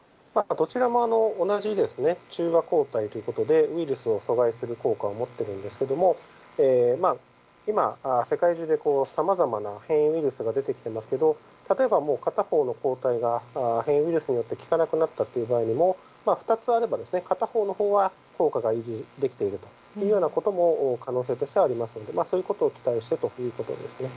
どちらも同じ中和抗体ということで、ウイルスを阻害する効果を持ってるんですけども、今、世界中でさまざまな変異ウイルスが出てきてますけれども、例えば、片方の抗体が変異ウイルスによって効かなくなったという場合にも、２つあれば、片方のほうは効果が維持できているというようなことも可能性としてはありますので、そういうことを期待してということですね。